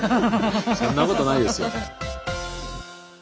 そんなことないですよ。